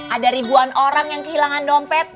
ada ribuan orang yang kehilangan dompet